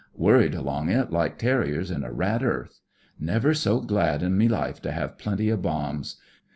Worried along it, like terriers in a rat earth. Never so glad in me Ufe to have plenty of bombs.